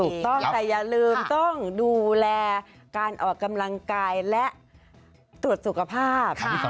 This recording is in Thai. ถูกต้องแต่อย่าลืมต้องดูแลการออกกำลังกายและตรวจสุขภาพ